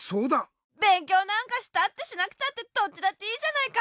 べんきょうなんかしたってしなくたってどっちだっていいじゃないか！